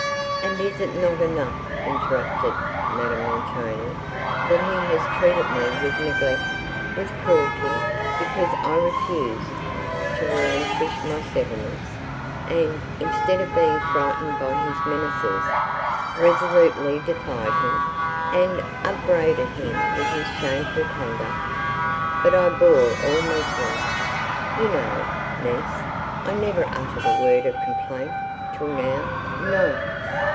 "And is it not enough," interrupted Madame Montoni, "that he has treated me with neglect, with cruelty, because I refused to relinquish my settlements, and, instead of being frightened by his menaces, resolutely defied him, and upbraided him with his shameful conduct? But I bore all meekly,—you know, niece, I never uttered a word of complaint, till now; no!